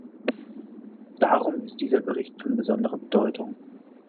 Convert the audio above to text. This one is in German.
Darum ist dieser Bericht von besonderer Bedeutung.